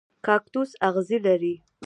کاکتوس اغزي لري